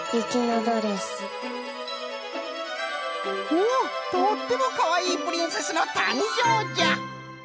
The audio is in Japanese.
おおとってもかわいいプリンセスのたんじょうじゃ！